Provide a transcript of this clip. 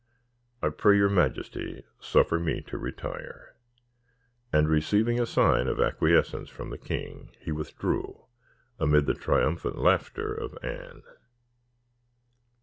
I pray your majesty suffer me to retire." And receiving a sign of acquiescence from the king, he withdrew, amid the triumphant laughter of Anne.